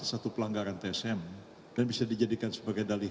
satu pelanggaran tsm dan bisa dijadikan sebagai dalih